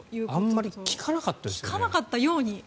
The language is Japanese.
あんまり聞かなかったですよね。